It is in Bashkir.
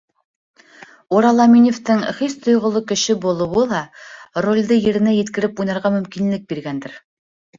Урал Әминевтең хис-тойғоло кеше булыуы ла ролде еренә еткереп уйнарға мөмкинлек биргәндер.